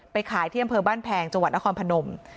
ขายที่อำเภอบ้านแพงจังหวัดนครพนม